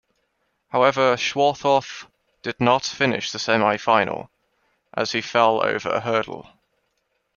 However, Schwarthoff did not finish the semi-final as he fell over a hurdle.